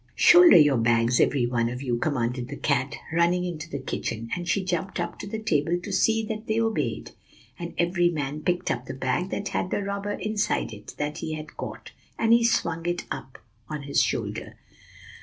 "'Shoulder your bags, every one of you!' commanded the cat, running into the kitchen; and she jumped up to the table to see that they obeyed. And every man picked up the bag that had the robber inside it, that he had caught, and he swung it off up on his shoulder.